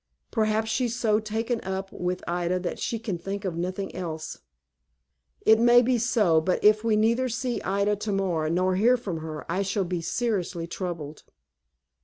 "Perhaps she is so taken up with Ida that she can think of nothing else." "It may be so; but if we neither see Ida to morrow, nor hear from her, I shall be seriously troubled."